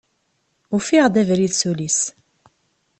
Ufiɣ-d abrid s ul-is.